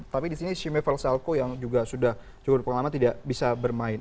tapi di sini xime velsalko yang juga sudah cukup lama tidak bisa bermain